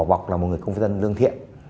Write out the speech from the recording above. một phỏ bọc là một người công viên tân lương thiện